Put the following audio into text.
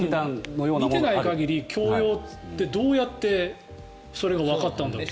見ていない限り強要ってどうやってそれがわかったんだろう。